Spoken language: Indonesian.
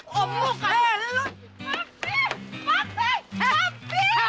kamu harus pulang kamu harus pulang